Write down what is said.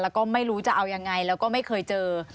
แล้วก็ไม่รู้จะเอายังไงแล้วก็ไม่เคยเจอ